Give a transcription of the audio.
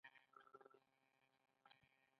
دوه کسان تهکوي ته نږدې شول او موږ ته یې پام شو